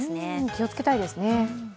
気をつけたいですね。